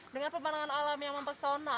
dengan pemandangan alam yang mempesona